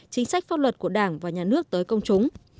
chính sách pháp luật của đảng và nhà nước tới công chúng